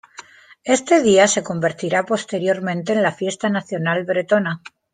Este día se convertirá posteriormente en la fiesta nacional bretona.